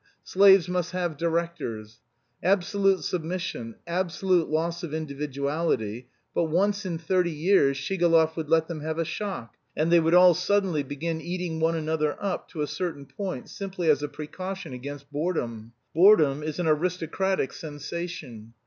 Slaves must have directors. Absolute submission, absolute loss of individuality, but once in thirty years Shigalov would let them have a shock and they would all suddenly begin eating one another up, to a certain point, simply as a precaution against boredom. Boredom is an aristocratic sensation.